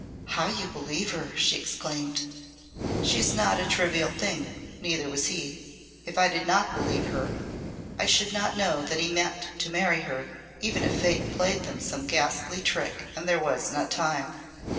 "How you believe her!" she exclaimed. "She is not a trivial thing, neither was he. If I did not believe her I should know that he meant to marry her, even if fate played them some ghastly trick and there was not time.